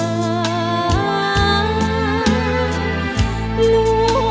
อ้าวล่วงพ่อเจ้าค้า